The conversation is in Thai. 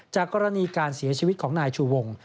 กรณีการเสียชีวิตของนายชูวง